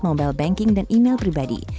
mobile banking dan email pribadi